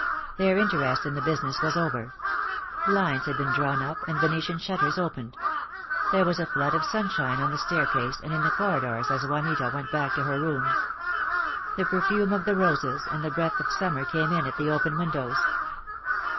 Their interest in the business was over. Blinds had been drawn up and Venetian shutters opened. There was a flood of sunshine on the staircase and in the corri dors as Juanita went back to her room. The perfume of roses and the breath of summer came in at the open windows.